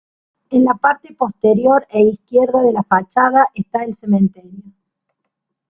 En la parte posterior e izquierda de la fachada está el cementerio.